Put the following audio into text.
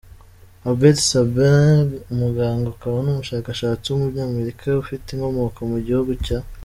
Albert Sabin, umuganga akaba n’umushakashatsi w’umunyamerika ufite inkomoko mu gihugu cya.